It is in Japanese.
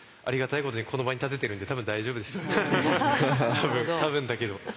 多分多分だけど。